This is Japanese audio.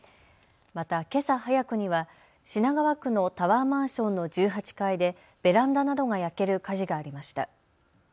また、けさ早くには品川区のタワーマンションの１８階でベランダなどが焼ける火事がありました。